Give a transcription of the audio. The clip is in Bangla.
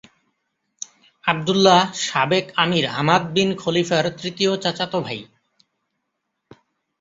আবদুল্লাহ, সাবেক আমীর হামাদ বিন খলিফার তৃতীয় চাচাতো ভাই।